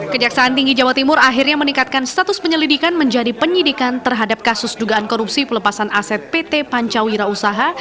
kejaksaan tinggi jawa timur akhirnya meningkatkan status penyelidikan menjadi penyidikan terhadap kasus dugaan korupsi pelepasan aset pt pancawira usaha